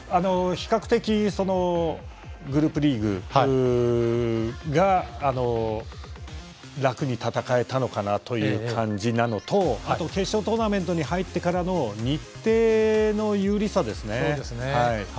比較的、グループリーグが楽に戦えたのかなという感じなのとあと、決勝トーナメントに入ってからの日程の有利さですね。